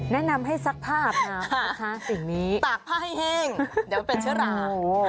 แนะนำให้ซักผ้าอาบน้ำค่ะสิ่งนี้ตากผ้าให้แห้งเดี๋ยวเป็นเฉราะ